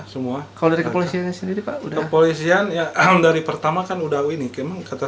semua kalau dari kepolisian sendiri pak udah kepolisian ya dari pertama kan udah ini kata